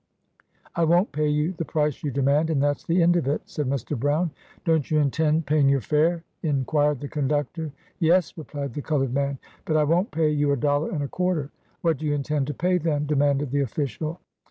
" I won't pay you the price you demand, and that's the end of it," said Mr. Brown. " Don 't you intend paying your fare? " in quired the conductor. "Yes," replied the colored man; "but I won J t pay you a dollar and a quarter." " What do you intend to pay, then?" demanded the official.